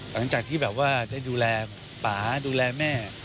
หลังจากที่แบบว่าได้ดูแลป่าดูแลแม่